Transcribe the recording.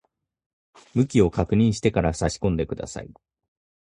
向きを確認してから差し込んでください。